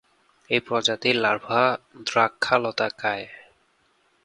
এই প্রজাতির লার্ভা দ্রাক্ষালতা খায়।